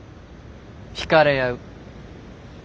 引かれ合う。